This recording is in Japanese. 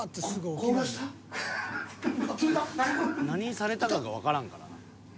何されたかがわからんからな。